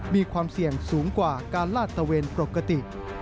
มีความเสี่ยงสูงกว่าการลาดตะเวนปกติ